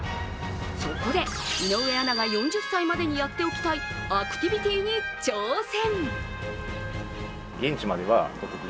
そこで井上アナが４０歳までにやっておきたいアクティビティーに挑戦。